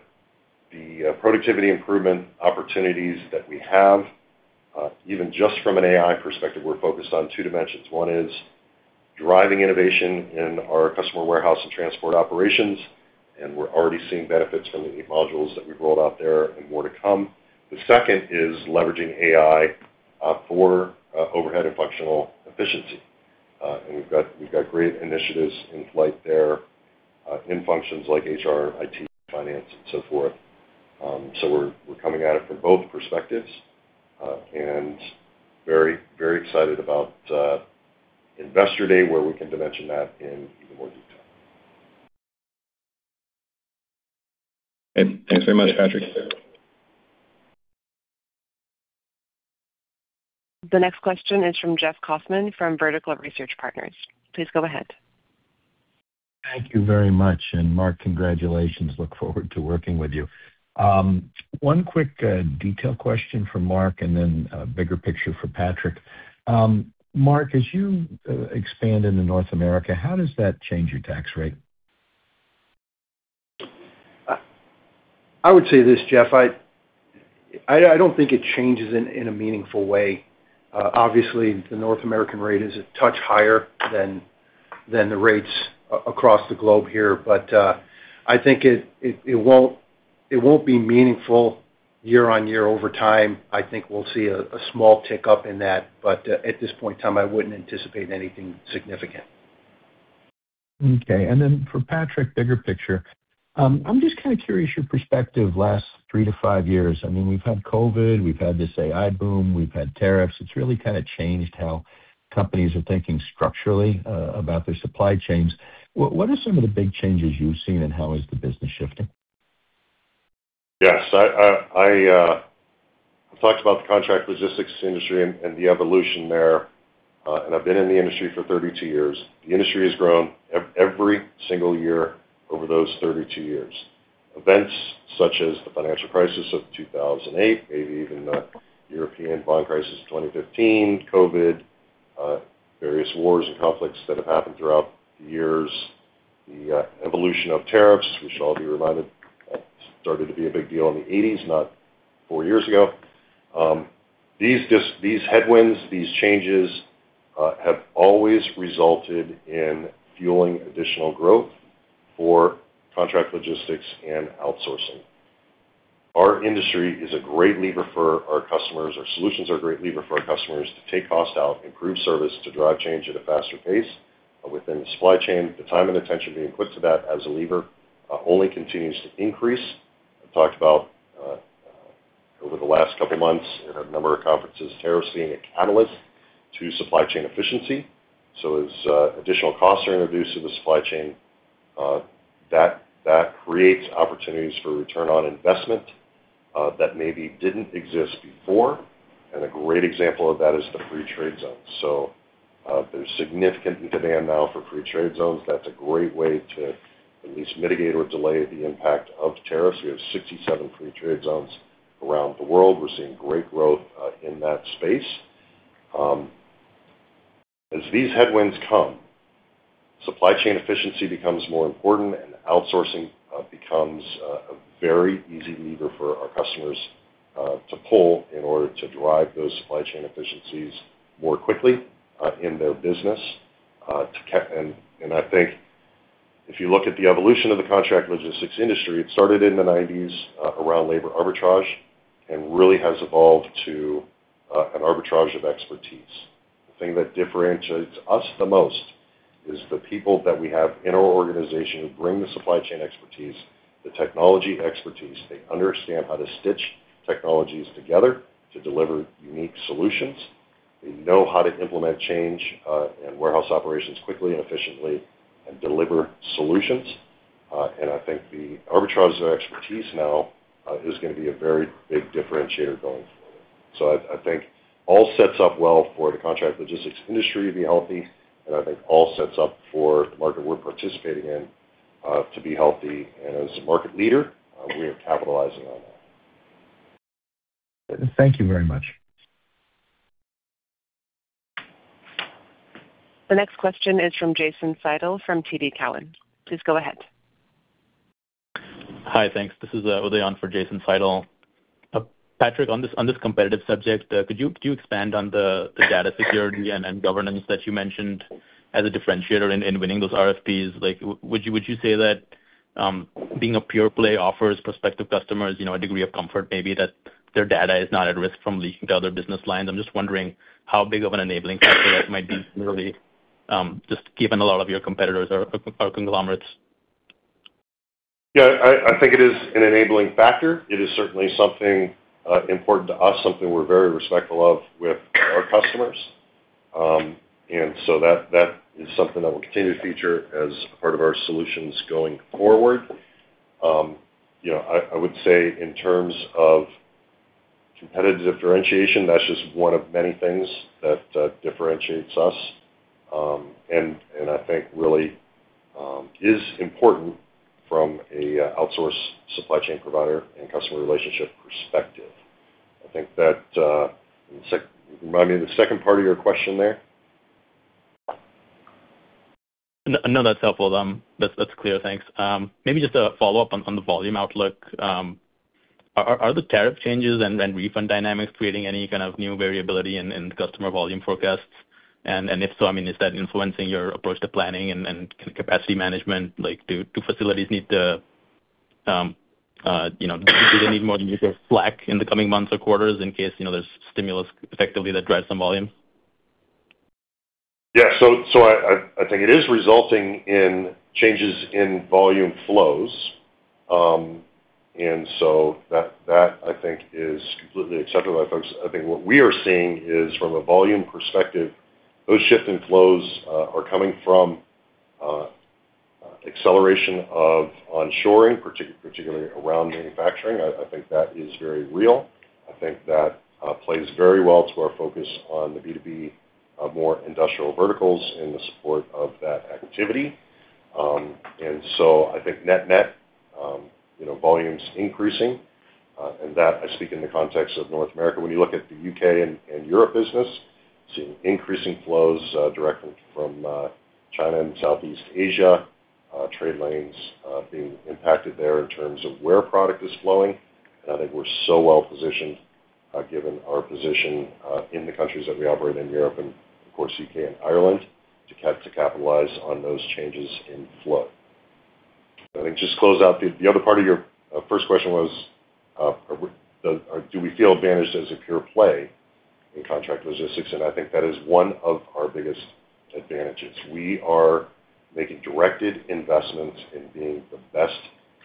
the productivity improvement opportunities that we have, even just from an AI perspective, we're focused on two dimensions. One is driving innovation in our customer warehouse and transport operations, and we're already seeing benefits from the eight modules that we've rolled out there and more to come. The second is leveraging AI for overhead and functional efficiency. We've got great initiatives in flight there in functions like HR, IT, finance and so forth. We're coming at it from both perspectives, and very, very excited about Investor Day, where we can dimension that in even more detail. Okay. Thanks very much, Patrick. The next question is from Jeffrey A. Kauffman from Vertical Research Partners. Please go ahead. Thank you very much. Mark, congratulations. Look forward to working with you. One quick detail question for Mark and then a bigger picture for Patrick. Mark, as you expand into North America, how does that change your tax rate? I would say this, Jeff. I don't think it changes in a meaningful way. Obviously, the North American rate is a touch higher than the rates across the globe here. I think it won't be meaningful year-on-year over time. I think we'll see a small tick up in that, but at this point in time, I wouldn't anticipate anything significant. Okay. For Patrick, bigger picture. I'm just kind of curious your perspective last three to five years. I mean, we've had COVID, we've had this AI boom, we've had tariffs. It's really kind of changed how companies are thinking structurally about their supply chains. What are some of the big changes you've seen and how is the business shifting? Yes. I talked about the contract logistics industry and the evolution there, and I've been in the industry for 32 years. The industry has grown every single year over those 32 years. Events such as the financial crisis of 2008, maybe even the European bond crisis of 2015, COVID, various wars and conflicts that have happened throughout the years, the evolution of tariffs, which all of you are reminded, started to be a big deal in the 80s, not four years ago. These headwinds, these changes, have always resulted in fueling additional growth. For contract logistics and outsourcing. Our industry is a great lever for our customers. Our solutions are a great lever for our customers to take cost out, improve service, to drive change at a faster pace within the supply chain. The time and attention being put to that as a lever, only continues to increase. I talked about over the last couple months at a number of conferences, tariffs being a catalyst to supply chain efficiency. As additional costs are introduced to the supply chain, that creates opportunities for return on investment that maybe didn't exist before. And a great example of that is the free trade zone. There's significant demand now for free trade zones. That's a great way to at least mitigate or delay the impact of tariffs. We have 67 free trade zones around the world. We're seeing great growth in that space. As these headwinds come, supply chain efficiency becomes more important and outsourcing becomes a very easy lever for our customers to pull in order to drive those supply chain efficiencies more quickly in their business. I think if you look at the evolution of the contract logistics industry, it started in the 90s around labor arbitrage and really has evolved to an arbitrage of expertise. The thing that differentiates us the most is the people that we have in our organization who bring the supply chain expertise, the technology expertise. They understand how to stitch technologies together to deliver unique solutions. They know how to implement change and warehouse operations quickly and efficiently and deliver solutions. I think the arbitrage of expertise now is gonna be a very big differentiator going forward. I think all sets up well for the contract logistics industry to be healthy, and I think all sets up for the market we're participating in, to be healthy. As a market leader, we are capitalizing on that. Thank you very much. The next question is from Jason Seidl from TD Cowen. Please go ahead. Hi. Thanks. This is Uday for Jason Seidl. Patrick, on this competitive subject, could you expand on the data security and governance that you mentioned as a differentiator in winning those RFPs? Like, would you say that being a pure play offers prospective customers, you know, a degree of comfort maybe that their data is not at risk from leaking to other business lines? I'm just wondering how big of an enabling factor that might be really, just given a lot of your competitors are conglomerates. Yeah, I think it is an enabling factor. It is certainly something important to us, something we're very respectful of with our customers. That, that is something that we'll continue to feature as part of our solutions going forward. You know, I would say in terms of competitive differentiation, that's just one of many things that differentiates us. I think really is important from an outsource supply chain provider and customer relationship perspective. I think that. Remind me of the second part of your question there. No, no, that's helpful. That's, that's clear. Thanks. Maybe just a follow-up on the volume outlook. Are the tariff changes and refund dynamics creating any kind of new variability in customer volume forecasts? If so, I mean, is that influencing your approach to planning and capacity management? Like, do facilities need to, you know, do they need more slack in the coming months or quarters in case, you know, there's stimulus effectively that drives some volume? Yeah. So I think it is resulting in changes in volume flows. That I think is completely acceptable by folks. I think what we are seeing is from a volume perspective, those shift in flows are coming from acceleration of onshoring, particularly around manufacturing. I think that is very real. I think that plays very well to our focus on the B2B, more industrial verticals and the support of that activity. I think net-net, you know, volume's increasing, and that I speak in the context of North America. When you look at the U.K. and Europe business, seeing increasing flows directly from China and Southeast Asia, trade lanes being impacted there in terms of where product is flowing. I think we're so well positioned, given our position in the countries that we operate in Europe and of course U.K. and Ireland to capitalize on those changes in flow. Let me just close out the other part of your first question was, Do we feel advantaged as a pure play in contract logistics? I think that is one of our biggest advantages. We are making directed investments in being the best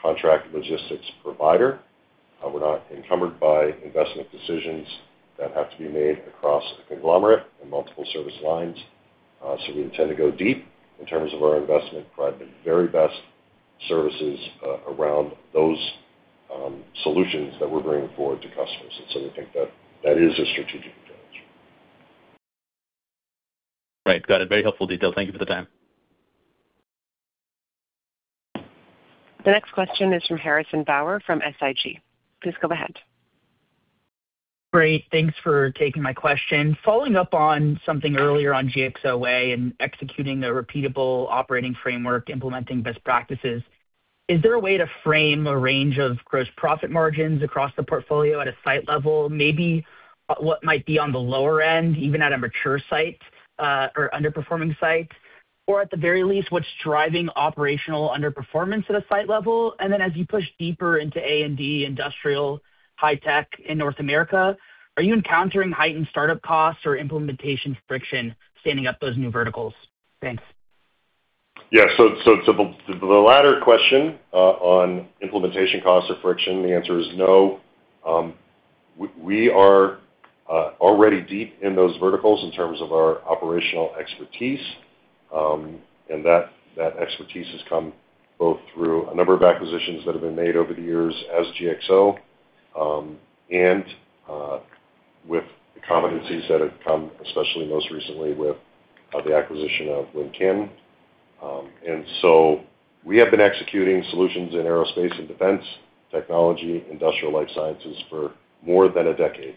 contract logistics provider. We're not encumbered by investment decisions that have to be made across a conglomerate and multiple service lines. We intend to go deep in terms of our investment, provide the very best services around those solutions that we're bringing forward to customers. I think that that is a strategic advantage. Right. Got it. Very helpful detail. Thank you for the time. The next question is from Harrison Bauer from SIG. Please go ahead. Great. Thanks for taking my question. Following up on something earlier on GXO and executing a repeatable operating framework, implementing best practices. Is there a way to frame a range of gross profit margins across the portfolio at a site level? Maybe what might be on the lower end, even at a mature site, or underperforming site? Or at the very least, what's driving operational underperformance at a site level? As you push deeper into A&D industrial high-tech in North America, are you encountering heightened startup costs or implementation friction standing up those new verticals? Thanks. Yeah. So, to the latter question on implementation costs or friction, the answer is no. We are already deep in those verticals in terms of our operational expertise, and that expertise has come both through a number of acquisitions that have been made over the years as GXO, and with the competencies that have come, especially most recently with the acquisition of Wincanton. We have been executing solutions in aerospace and defense, technology, industrial life sciences for more than a decade.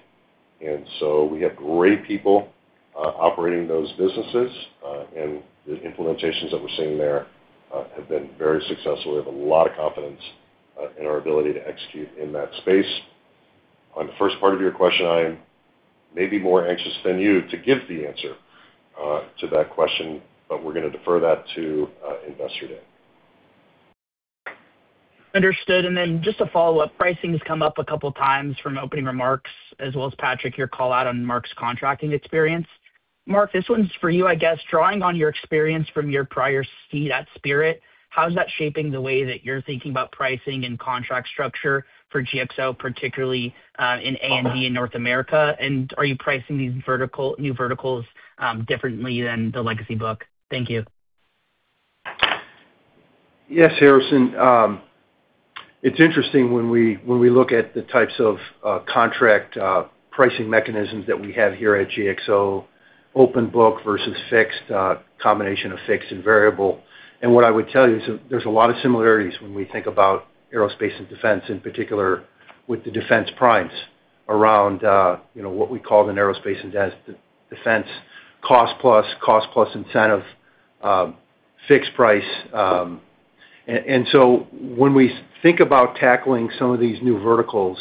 We have great people operating those businesses, and the implementations that we're seeing there have been very successful. We have a lot of confidence in our ability to execute in that space. On the first part of your question, I am maybe more anxious than you to give the answer, to that question, but we're gonna defer that to, Investor Day. Understood. Just a follow-up. Pricing has come up a couple times from opening remarks, as well as Patrick, your call out on Mark's contracting experience. Mark, this one's for you, I guess. Drawing on your experience from your prior seat at Spirit, how's that shaping the way that you're thinking about pricing and contract structure for GXO, particularly in A&D in North America? Are you pricing these new verticals differently than the legacy book? Thank you. Yes, Harrison. It's interesting when we look at the types of contract pricing mechanisms that we have here at GXO, open book versus fixed, combination of fixed and variable. What I would tell you is there's a lot of similarities when we think about aerospace and defense, in particular with the defense primes around, you know, what we call in aerospace and defense cost-plus, cost-plus incentive, fixed-price. When we think about tackling some of these new verticals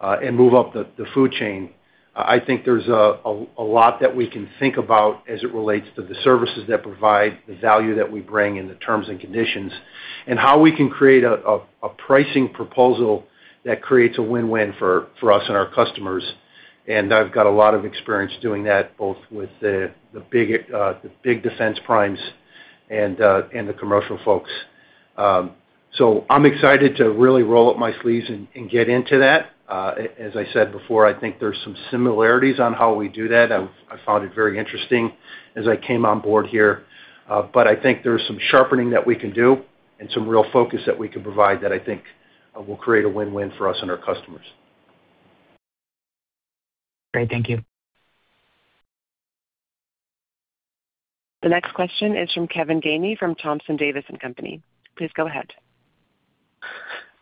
and move up the food chain, I think there's a lot that we can think about as it relates to the services that provide the value that we bring and the terms and conditions, and how we can create a pricing proposal that creates a win-win for us and our customers. I've got a lot of experience doing that, both with the big defense primes and the commercial folks. I'm excited to really roll up my sleeves and get into that. As I said before, I found it very interesting as I came on board here, I think there's some sharpening that we can do and some real focus that we can provide that I think will create a win-win for us and our customers. Great. Thank you. The next question is from Kevin Gainey from Thompson, Davis & Company. Please go ahead.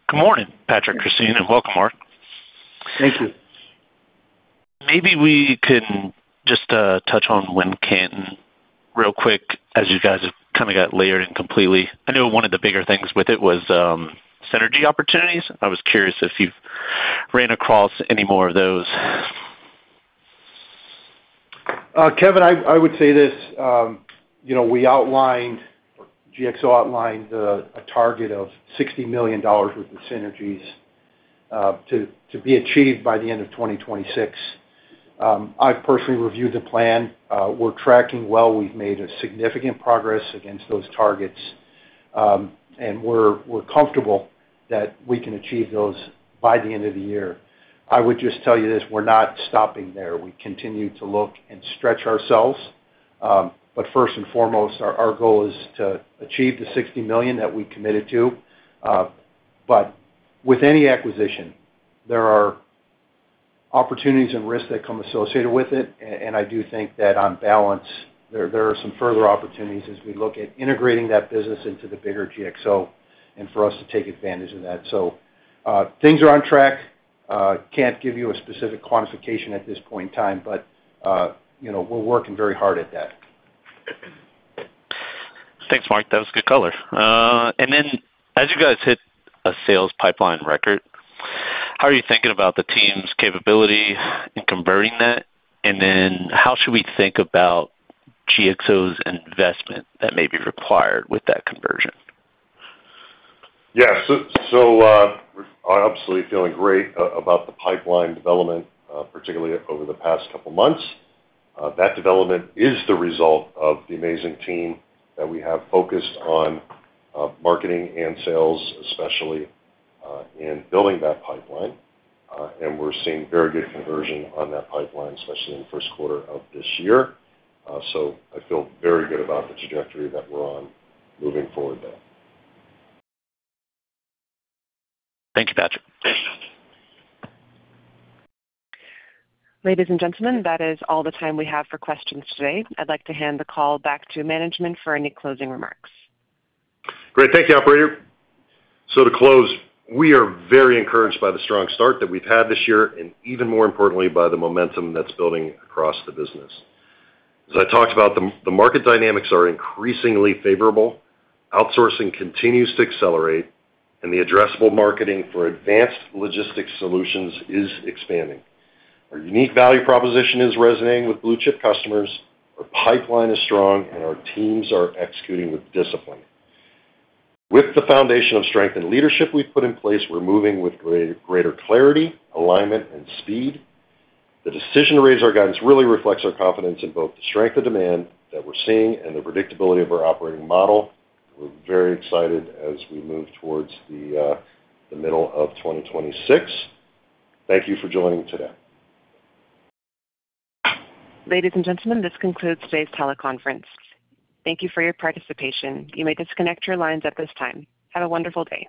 Good morning, Patrick, Kristine, and welcome, Mark. Thank you. Maybe we can just touch on Wincanton real quick as you guys have kind of got layered in completely. I know one of the bigger things with it was synergy opportunities. I was curious if you've ran across any more of those. Kevin, I would say this. You know, we outlined, GXO outlined, a target of $60 million worth of synergies to be achieved by the end of 2026. I've personally reviewed the plan. We're tracking well. We've made a significant progress against those targets, and we're comfortable that we can achieve those by the end of the year. I would just tell you this, we're not stopping there. We continue to look and stretch ourselves, first and foremost, our goal is to achieve the $60 million that we committed to. With any acquisition, there are opportunities and risks that come associated with it, and I do think that on balance, there are some further opportunities as we look at integrating that business into the bigger GXO and for us to take advantage of that. Things are on track. Can't give you a specific quantification at this point in time, but, you know, we're working very hard at that. Thanks, Mark. That was good color. As you guys hit a sales pipeline record, how are you thinking about the team's capability in converting that? How should we think about GXO's investment that may be required with that conversion? Yeah. We're absolutely feeling great about the pipeline development, particularly over the past couple months. That development is the result of the amazing team that we have focused on marketing and sales, especially in building that pipeline. We're seeing very good conversion on that pipeline, especially in the first quarter of this year. I feel very good about the trajectory that we're on moving forward there. Thank you, Patrick. Ladies and gentlemen, that is all the time we have for questions today. I'd like to hand the call back to management for any closing remarks. Great. Thank you, operator. To close, we are very encouraged by the strong start that we've had this year, and even more importantly, by the momentum that's building across the business. As I talked about, the market dynamics are increasingly favorable. Outsourcing continues to accelerate, and the addressable market for advanced logistics solutions is expanding. Our unique value proposition is resonating with blue-chip customers, our pipeline is strong, and our teams are executing with discipline. With the foundation of strength and leadership we've put in place, we're moving with greater clarity, alignment, and speed. The decision to raise our guidance really reflects our confidence in both the strength of demand that we're seeing and the predictability of our operating model. We're very excited as we move towards the middle of 2026. Thank you for joining today. Ladies and gentlemen, this concludes today's teleconference. Thank you for your participation. You may disconnect your lines at this time. Have a wonderful day.